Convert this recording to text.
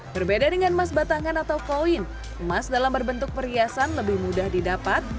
berbeda dengan emas batangan atau koin emas dalam berbentuk perhiasan lebih mudah didapat